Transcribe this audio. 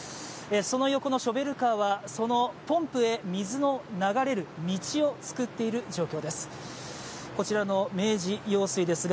その横のショベルカーはそのポンプへ水の流れる道を作っている状況です。